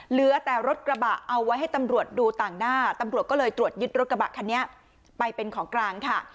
เหลือแต่รถกระบะเอาไว้ให้ตำรวจดูต่างหน้าตำรวจก็เลยตรวจยึดรถกระบะคันนี้ไปเป็นของกลางค่ะ